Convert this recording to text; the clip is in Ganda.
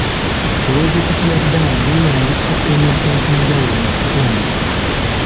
Pulojekiti ya ddaamu yeeyambisa emigga egy'enjawulo mu kitundu.